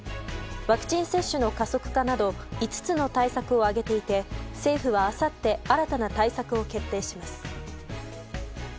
ワクチン接種の加速化など５つの対策を挙げていて政府はあさって新たな対策を決定します。